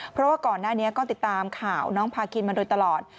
เพราะว่าก่อนหน้านี้ก็ติดตามข่าวน้องพาคินมาโดยตลอด